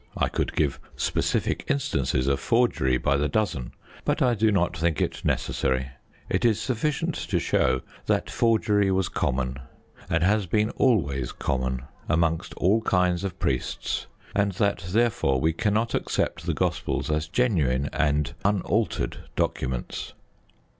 I could give specific instances of forgery by the dozen, but I do not think it necessary. It is sufficient to show that forgery was common, and has been always common, amongst all kinds of priests, and that therefore we cannot accept the Gospels as genuine and unaltered documents.